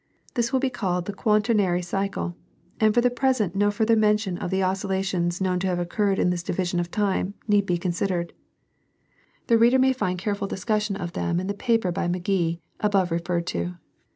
This will be called the Quaternary cycle ; and for the present no further mention of the oscillations known to have occurred in this division of time need be considered ; the reader may find careful discussion of 16 200 National Geographic Magazine 11 i« them in the paper by McGee, above referred to.